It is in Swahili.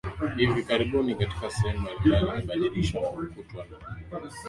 Hivi karibuni katika sehemu mbalimbali imebadilishwa na kukatwa kwa maneno